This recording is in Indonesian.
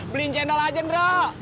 beliin cendol aja druk